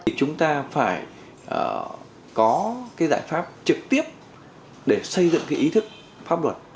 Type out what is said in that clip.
thì chúng ta phải có cái giải pháp trực tiếp để xây dựng cái ý thức pháp luật